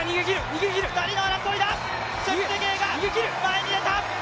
２人の争いだ、チェプテゲイが前に出た！